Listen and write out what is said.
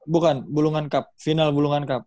bukan bulungan cup final bulungan cup